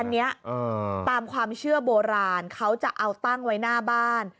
อันนี้ตามความเชื่อโบราณเขาจะเอาตั้งไว้หน้าบ้าน